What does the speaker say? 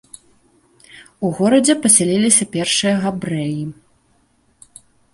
У горадзе пасяліліся першыя габрэі.